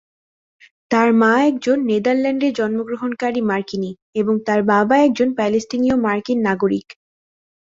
তার মা একজন নেদারল্যান্ডে জন্মগ্রহণকারী মার্কিনী, এবং তার বাবা একজন প্যালেস্টিনীয়-মার্কিন নাগরিক।